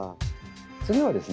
次はですね。